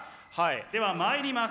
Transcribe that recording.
ではまいります。